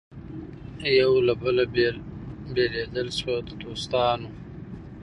یو له بله بېلېدل سوه د دوستانو